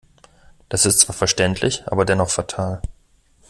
Das ist zwar verständlich, aber dennoch fatal.